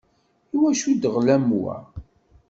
Iwacu ddɣel am wa?